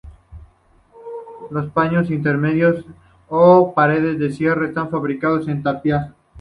Los paños intermedios o paredes de cierre están fabricados en tapial.